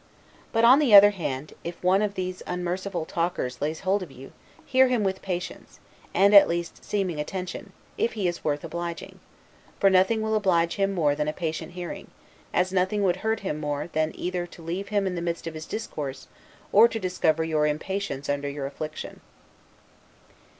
But, on the other hand, if one of these unmerciful talkers lays hold of you, hear him with patience (and at least seeming attention), if he is worth obliging; for nothing will oblige him more than a patient hearing, as nothing would hurt him more than either to leave him in the midst of his discourse, or to discover your impatience under your affliction.